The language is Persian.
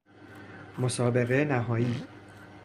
مسابقه نهائی